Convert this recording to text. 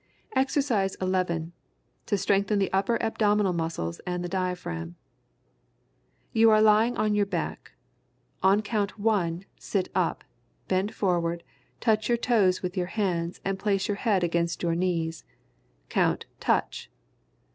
[Illustration: EXERCISE 11. To strengthen the upper abdominal muscles and the diaphragm.] You are lying on your back. On count "one," sit up, bend forward, touch your toes with your hands and place your head against your knees. Count "touch."